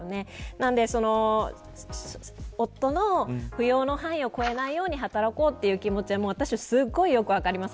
なので、夫の扶養の範囲を超えないように働こうという気持ちは私はすごくよく分かります。